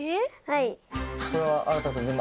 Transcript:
はい。